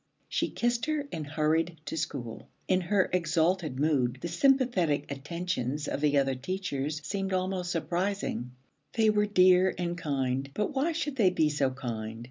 She kissed her and hurried to school. In her exalted mood the sympathetic attentions of the other teachers seemed almost surprising. They were dear and kind, but why should they be so kind?